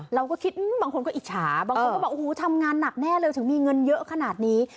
เราก็คิดบางคนก็อิจฉาบางคนก็บอกโอ้โหทำงานหนักแน่เลยถึงมีเงินเยอะขนาดนี้